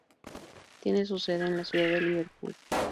Tiene su sede en la ciudad de Liverpool.